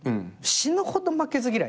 死ぬほど負けず嫌いで。